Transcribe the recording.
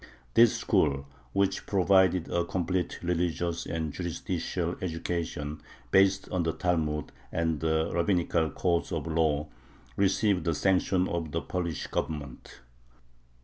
This school, which provided a complete religious and juridical education based on the Talmud and the rabbinical codes of law, received the sanction of the Polish Government.